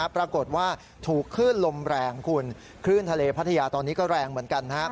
ปรากฏว่าถูกขึ้นลมแรงขึ้นทะเลพัทยาตอนนี้ก็แรงเหมือนกัน